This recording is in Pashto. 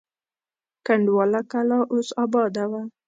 کنډواله کلا اوس اباده وه.